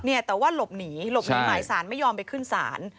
เนี่ยแต่ว่าหลบหนีหลบหนีหมายสารไม่ยอมไปขึ้นศาล